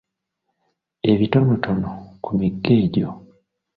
Ebitonotono ku migga egyo.